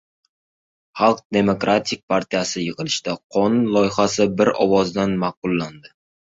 Xalq demokratik partiyasi yig‘ilishida qonun loyihasi bir ovozdan ma’qullandi